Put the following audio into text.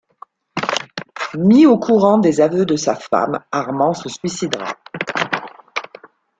Mis au courant des aveux de sa femme, Armand se suicidera.